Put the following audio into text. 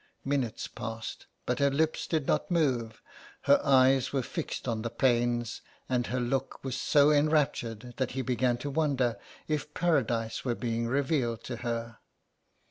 Minutes passed, but her lips did not move ; her eyes were fixed on the panes and her look was so enraptured that he began to wonder if Paradise were being revealed to her.